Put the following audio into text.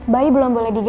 bayi belum boleh dijaga